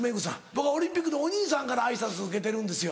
僕はオリンピックでお兄さんから挨拶受けてるんですよ。